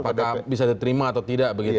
apakah bisa diterima atau tidak begitu